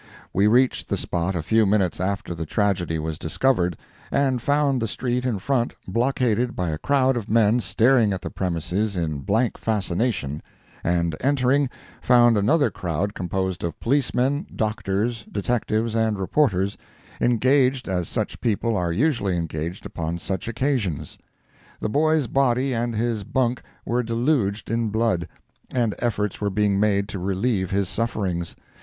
We reached the spot a few minutes after the tragedy was discovered, and found the street in front blockaded by a crowd of men staring at the premises in blank fascination, and entering, found another crowd composed of policemen, doctors, detectives, and reporters, engaged as such people are usually engaged upon such occasions. The boy's body and his bunk were deluged in blood, and efforts were being made to relieve his sufferings.